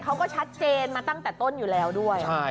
ประกรรมนี้อยู่ต่อค่ะ